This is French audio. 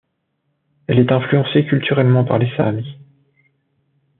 Elle est influencée culturellement par les Saami.